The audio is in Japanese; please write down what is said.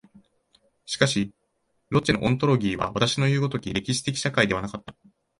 しかしロッチェのオントロギーは私のいう如き歴史的社会的ではなかった。